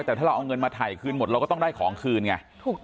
แต่ถ้าเราเอาเงินมาถ่ายคืนหมดเราก็ต้องได้ของคืนไง